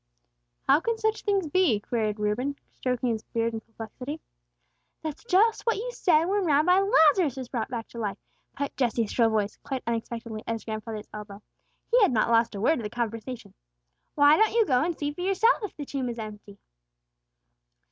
"How can such things be?" queried Reuben, stroking his beard in perplexity. "That's just what you said when Rabbi Lazarus was brought back to life," piped Jesse's shrill voice, quite unexpectedly, at his grandfather's elbow. He had not lost a word of the conversation. "Why don't you go and see for yourself if the tomb is empty?"